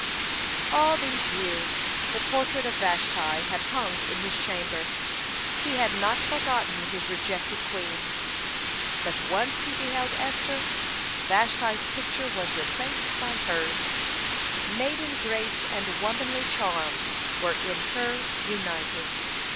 (72) All these years the portrait of Vashti had hung in his chamber. He had not forgotten his rejected queen. But once he beheld Esther, Vashti's picture was replaced by hers. (73) Maiden grace and womanly charm were in her united.